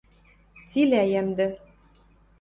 – Цилӓ йӓмдӹ.